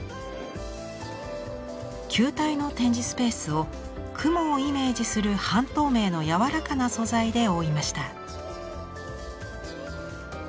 球体の展示スペースを雲をイメージする半透明の柔らかな素材で覆いました。